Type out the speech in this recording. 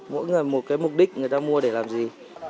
mỗi người một cái mục đích người ta mua để làm gì